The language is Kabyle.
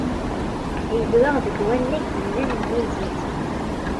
Yezdeɣ deg wannag yellan nnig-i.